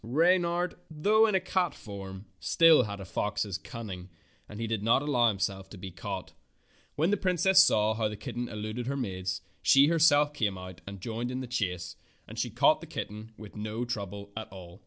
But Reynard, though a cat in form, still had a fox's cun ning, and he did not allow himself to be caught. When the princess saw how the kitten eluded her maids she came out herself and joined in the chase, and she caught the kitten with no trouble at all.